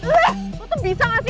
eh eh lo tuh bisa gak sih